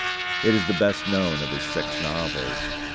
It is the best known of his six novels.